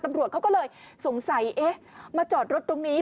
ตำรวจเขาก็เลยสงสัยเอ๊ะมาจอดรถตรงนี้